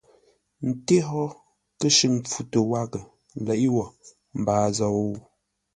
Ńté hó kə́shʉŋ pfutə́ wághʼə leʼé wo mbaa zou?